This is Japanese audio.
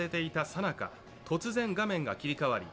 さなか突然画面が切り替わり